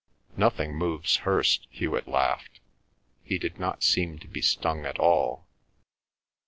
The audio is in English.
"Nothing moves Hirst," Hewet laughed; he did not seem to be stung at all.